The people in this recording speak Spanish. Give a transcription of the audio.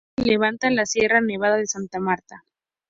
En ella se levanta la Sierra Nevada de Santa Marta.